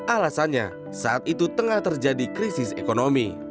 alasannya saat itu tengah terjadi krisis ekonomi